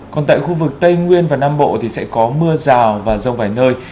còn tại khu vực tây nguyên và nam bộ thì sẽ có mưa rào và rông vài nơi